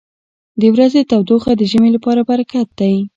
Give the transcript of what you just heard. • د ورځې تودوخه د ژمي لپاره برکت دی.